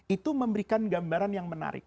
itu memberikan gambaran yang menarik